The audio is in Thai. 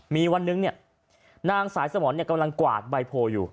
มีวันนึงเนี่ยนางสายสมรกำลังกวาดใบโพลอยู่